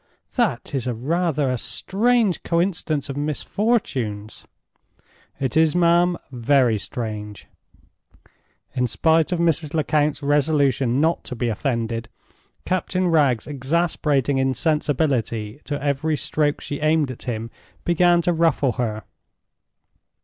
"That is rather a strange coincidence of misfortunes." "It is, ma'am. Very strange." In spite of Mrs. Lecount's resolution not to be offended, Captain Wragge's exasperating insensibility to every stroke she aimed at him began to ruffle her.